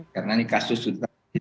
karena ini kasus sudah